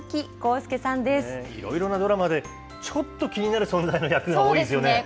いろいろなドラマで、ちょっと気になる存在そうですね。